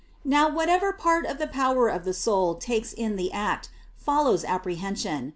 Now whatever part the power of the soul takes in the act, follows apprehension.